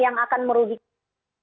yang akan merugikan